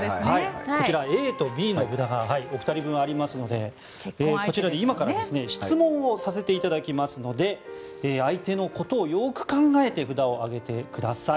こちら、ＡとＢの札がお二人分ありますのでこちらで今から質問をさせていただきますので相手のことをよく考えて札を上げてください。